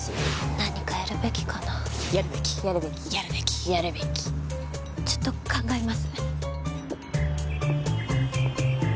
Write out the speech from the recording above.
何かやるべきかなやるべきやるべきやるべきやるべきちょっと考えます